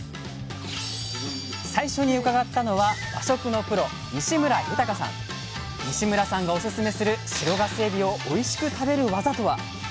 最初に伺ったのは西村さんがおすすめする白ガスエビをおいしく食べる技とは？